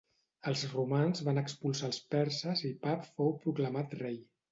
Els romans van expulsar els perses i Pap fou proclamat rei.